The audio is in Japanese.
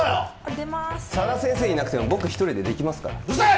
出ます佐田先生いなくても僕一人でできますからうるさい！